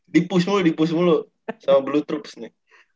dipus mulu dipus mulu sama bluetroops nih